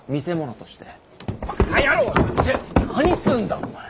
何すんだお前！